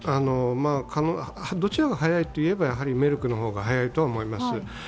どちらが早いかといえばメルクの方が早いと思います。